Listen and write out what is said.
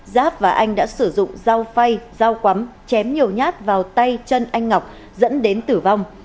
giáp và anh đã sử dụng dao phay dao quắm chém nhiều nhát vào tay chân anh ngọc dẫn đến tử vong